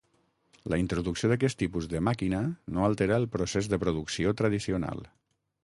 La introducció d'aquest tipus de màquina no alterà el procés de producció tradicional.